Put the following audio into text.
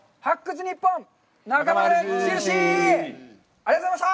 ありがとうございます。